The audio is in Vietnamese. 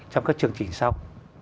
trong các chương trình sau